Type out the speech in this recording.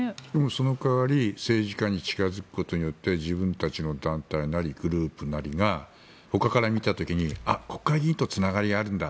その代わり政治家に近付くことによって自分たちの団体なりグループなりがほかから見た時にあっ、国会議員とつながりがあるんだ